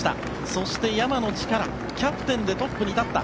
そして、山野力キャプテンでトップに立った。